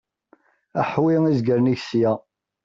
Ḥwi izgaren-ik sya.